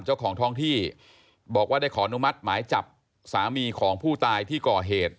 เจ้าของท้องที่บอกว่าได้ขออนุมัติหมายจับสามีของผู้ตายที่ก่อเหตุ